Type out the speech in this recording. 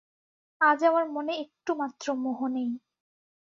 আজ আমার মনে একটুমাত্র মোহ নেই।